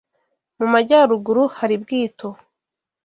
Mu majyaruguru, hari Bwito